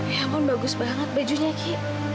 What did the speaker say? ya ampun bagus banget bajunya ki